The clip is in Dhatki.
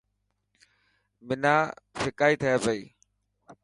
حنا ڦڪائي تي پئي.